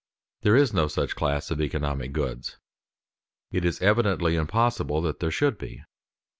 There is no such class of economic goods; it is evidently impossible that there should be.